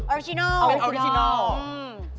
ออริจินอล